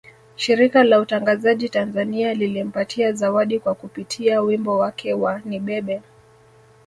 Shirika la Utangazaji Tanzania lilimpatia zawadi kwa kupitia wimbo wake wa Nibebe